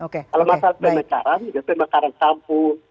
kalau masalah pembicaraan pembicaraan sampul